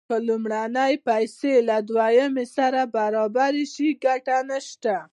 که لومړنۍ پیسې له دویمې سره برابرې شي ګټه نشته